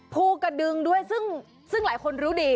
ภูกระดึงด้วยซึ่งหลายคนรู้ดี